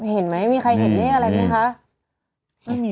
เห็นไหมมีใครเห็นเลขอะไรไหมคะ